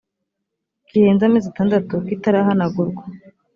kirenze amezi atandatu kitarahanagurwa